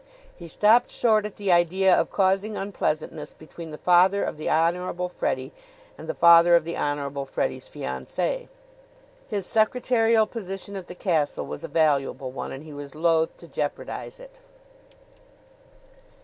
He stopped short at the idea of causing unpleasantness between the father of the Honorable Freddie and the father of the Honorable Freddie's fiancee. His secretarial position at the castle was a valuable one and he was loath to jeopardize it.